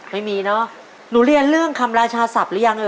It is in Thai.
ไม่มีเนาะ